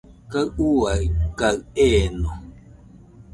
Kaɨ ua kaɨ eeno.